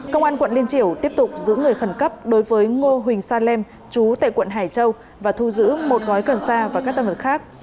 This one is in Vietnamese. công an quận liên triều tiếp tục giữ người khẩn cấp đối với ngô huỳnh sa lêm chú tệ quận hải châu và thu giữ một gói cần sa và các tam vật khác